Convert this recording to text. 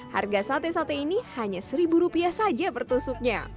harga sate sate ini hanya seribu rupiah saja bertusuknya